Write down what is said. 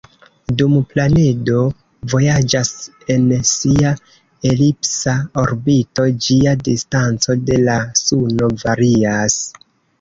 Dum planedo vojaĝas en sia elipsa orbito, ĝia distanco de la suno varias.